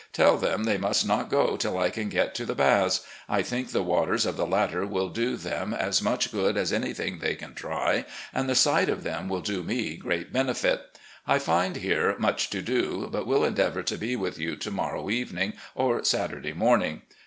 Tell them they must not go till I can get to the Baths. I think the waters of the latter will do them as much good as anything they can try, and the sight of them will do me great benefit. I find here much to do, but will endeavour to be with you to morrow evening or Saturday morning.